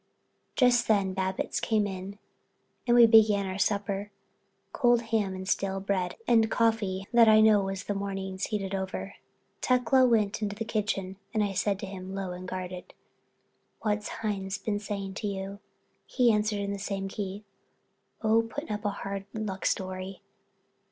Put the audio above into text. Just then Babbitts came in and we began our supper; cold ham and stale bread and coffee that I know was the morning's heated over. Tecla went into the kitchen and I said to him, low and guarded: "What's Hines been saying to you?" He answered in the same key: "Oh, putting up a hard luck story.